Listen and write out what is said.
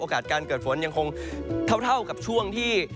การเกิดฝนยังคงเท่ากับช่วงที่